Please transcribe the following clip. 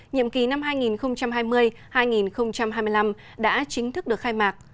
nhiệm kỳ năm hai nghìn hai mươi hai nghìn hai mươi năm đã chính thức được khai mạc